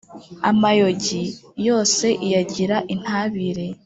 Amayogi yose iyagira intabire,